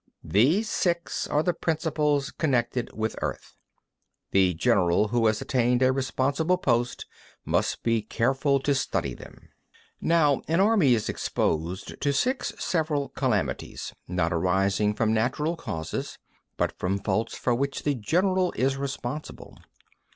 13. These six are the principles connected with Earth. The general who has attained a responsible post must be careful to study them. 14. Now an army is exposed to six several calamities, not arising from natural causes, but from faults for which the general is responsible.